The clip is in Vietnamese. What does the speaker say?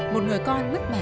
một người con mất mẹ